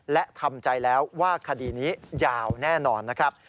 และทำใจแล้วว่าคดีนี้ยาวแน่นอนนะครับ